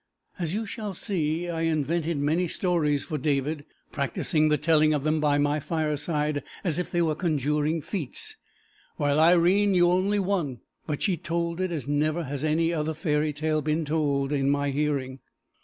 As you shall see, I invented many stories for David, practising the telling of them by my fireside as if they were conjuring feats, while Irene knew only one, but she told it as never has any other fairy tale been told in my hearing.